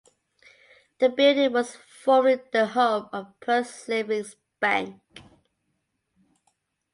The building was formerly the home of Perth Savings Bank.